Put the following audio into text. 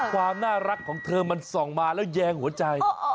ความน่ารักของเธอมันส่องมาแล้วแยงหัวใจ